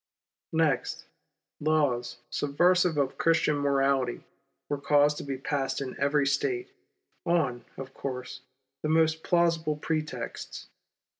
Next, laws subversive of Christian morality were caused to be passed in every State, on, of course, the most plausible pretexts.